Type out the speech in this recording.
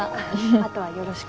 あとはよろしく。